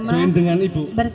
join dengan ibu